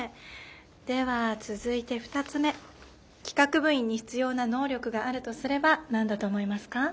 では続いて２つ目企画部員に必要な能力があるとすれば何だと思いますか？